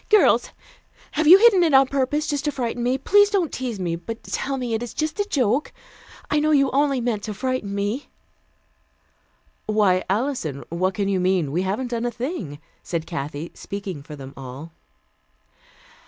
"Girls have you hidden it on purpose, just to frighten me? Please don't tease me, but tell me it is just a joke. I know you only meant to frighten me!" "Why, Alison, what can you mean? We haven't done a thing," said Kathy, speaking for them all.